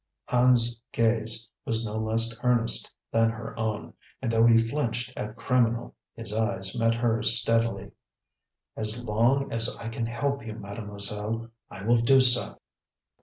Hand's gaze was no less earnest than her own; and though he flinched at "criminal," his eyes met hers steadily. "As long as I can help you, Mademoiselle, I will do so."